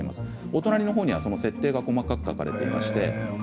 お隣のほうには設定が細かく描かれています。